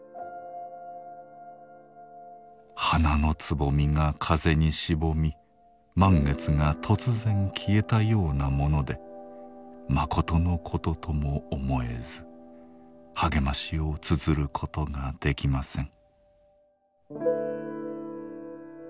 花のつぼみが風にしぼみ満月が突然消えたようなものでまことのこととも思えず励ましを綴ることができません。